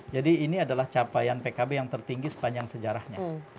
jadi ini adalah capaian pkb yang tertinggi sepanjang sejarahnya